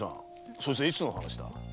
そいつはいつの話だ？